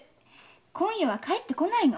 今夜は帰って来ないの。